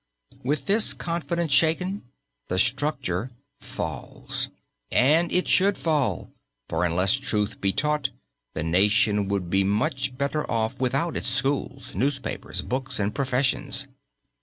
With this confidence shaken, the structure falls. And it should fall, for, unless the truth be taught, the nation would be much better off without its schools, newspapers, books and professions.